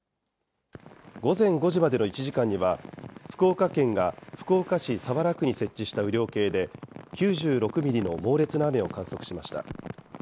午前５時までの１時間には、福岡県が福岡市早良区に設置した雨量計で９６ミリの猛烈な雨を観測しました。